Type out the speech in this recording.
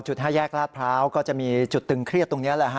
ก็จุดฮแยกราชพราวค์ก็จะมีจุดตึงเครียดตรงนี้